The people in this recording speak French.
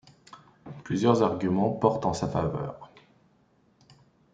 Plusieurs arguments portent en sa faveur.